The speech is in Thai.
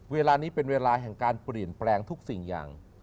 เวลานี้เป็นเวลาแห่งการเปลี่ยนแปลงทุกสิ่งอย่าง